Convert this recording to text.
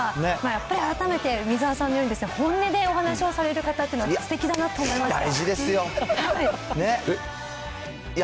やっぱり改めて梅沢さんのように本音でお話をされる方というのはすてきだなと思いました。